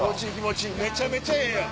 めちゃめちゃええやん！